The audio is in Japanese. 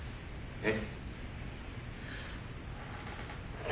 えっ。